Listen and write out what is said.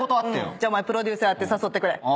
お前プロデューサーやって誘ってくれ。